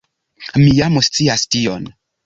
Mi jam scias tion.